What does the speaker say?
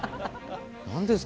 何ですか？